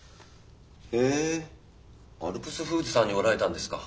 へえアルプスフーズさんにおられたんですか。